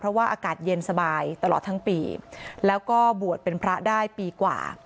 เพราะว่าอากาศเย็นสบายตลอดทั้งปีแล้วก็บวชเป็นพระได้ปีกว่า